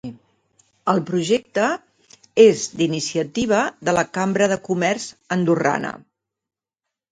El projecte és d'iniciativa de la Cambra de Comerç andorrana.